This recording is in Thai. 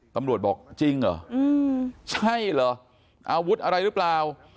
ตำรวจบอกจริงเหรอใช่เหรออาวุธอะไรหรือเปล่า